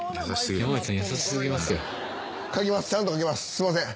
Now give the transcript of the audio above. すんません。